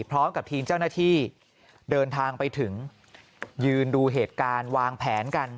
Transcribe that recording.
พร้อมกับทีมเจ้าหน้าที่เดินทางไปถึงยืนดูเหตุการณ์วางแผนกัน